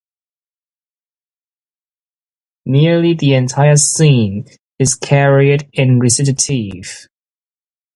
Nearly the entire scene is carried in recitative.